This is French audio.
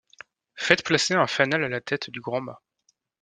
Faites placer un fanal à la tête du grand mât.